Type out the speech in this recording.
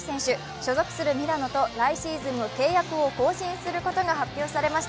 所属するミラノと来シーズンも契約を更新することが発表されました。